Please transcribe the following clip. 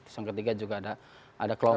yang ketiga juga ada kelompok